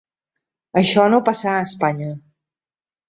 Això no passà a Espanya.